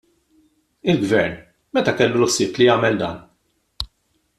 Il-Gvern, meta kellu l-ħsieb li jagħmel dan?